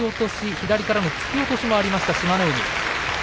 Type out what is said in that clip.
左からの突き落としがありました志摩ノ海です。